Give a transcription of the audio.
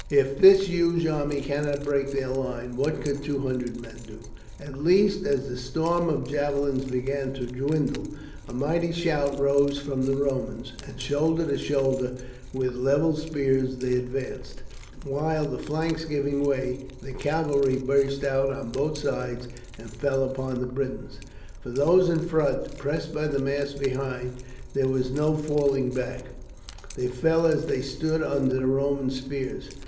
If this huge army cannot break their line, what could two hundred men do?" At last, as the storm of javelins began to dwindle, a mighty shout rose from the Romans, and shoulder to shoulder with levelled spears they advanced, while the flanks giving way, the cavalry burst out on both sides and fell upon the Britons. For those in front, pressed by the mass behind them, there was no falling back, they fell as they stood under the Roman spears.